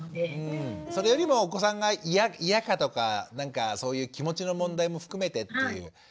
それよりもお子さんが嫌かとかそういう気持ちの問題も含めてという。